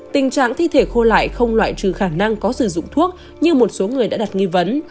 tình trạng thi thể khô lại không loại trừ khả năng có sử dụng thuốc như một số người đã đặt nghi vấn